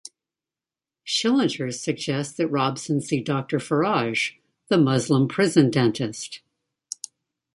Schillinger suggests that Robson see Doctor Faraj, the Muslim prison dentist.